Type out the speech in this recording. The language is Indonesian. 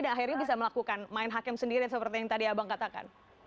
dan akhirnya bisa melakukan main hakim sendiri seperti yang tadi abang katakan